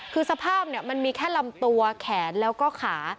คือสภาพมันมีแค่ลำตัวแขนแล้วก็ขา